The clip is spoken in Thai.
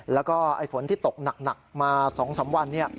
แล้วก็ฝนที่ตกหนักมา๒๓วัน